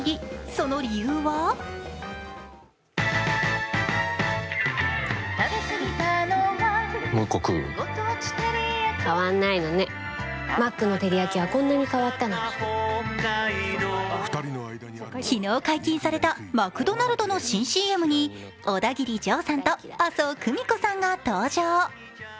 その理由は昨日解禁されたマクドナルドの新ＣＭにオダギリジョーさんと麻生久美子さんが登場。